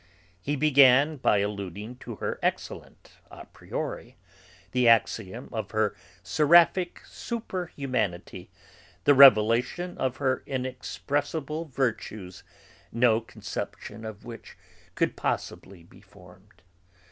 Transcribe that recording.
He began by alluding to her excellence, a priori, the axiom of her seraphic super humanity, the revelation of her inexpressible virtues, no conception of which could possibly be formed.